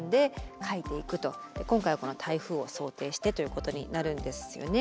今回はこの台風を想定してということになるんですよね。